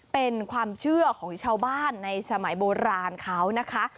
เป็นความเชื่อของชาวบ้านในสมัยโบราณเขานะคะ